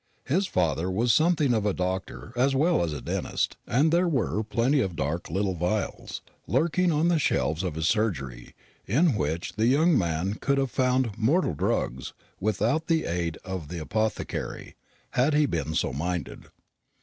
His father was something of a doctor as well as a dentist; and there were plenty of dark little phials lurking on the shelves of his surgery in which the young man could have found "mortal drugs" without the aid of the apothecary, had he been so minded.